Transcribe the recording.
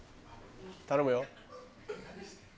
頼むよ。